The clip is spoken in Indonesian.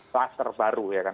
plaster baru ya kan